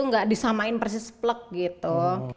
nggak disamain persis plek gitu